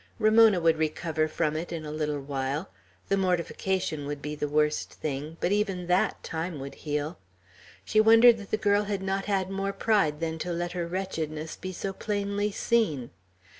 Ramona would recover from it in a little while; the mortification would be the worst thing, but even that, time would heal. She wondered that the girl had not more pride than to let her wretchedness be so plainly seen.